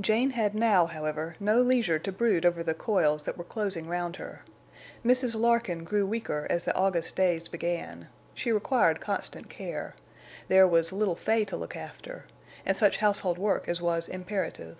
Jane had now, however, no leisure to brood over the coils that were closing round her. Mrs. Larkin grew weaker as the August days began; she required constant care; there was little Fay to look after; and such household work as was imperative.